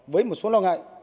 với một số lo ngại